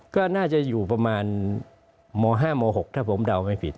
ก็น่าจะอยู่ประมาณม๕ม๖ถ้าผมเดาไม่ผิด